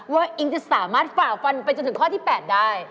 อิ๊งจะสามารถฝ่าฟันไปจนถึงข้อที่๘ได้